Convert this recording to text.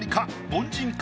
凡人か？